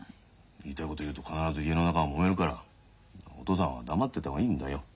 言いたいこと言うと必ず家の中がもめるからお父さんは黙ってた方がいいんだよ。